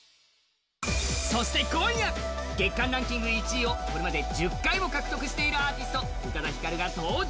そして今夜、月間ランキング１位をこれまで１０回も獲得しているアーティスト、宇多田ヒカルが登場。